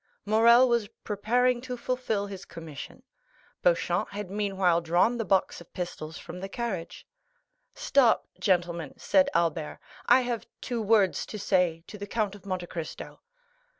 Morrel was preparing to fulfil his commission. Beauchamp had meanwhile drawn the box of pistols from the carriage. "Stop, gentlemen," said Albert; "I have two words to say to the Count of Monte Cristo."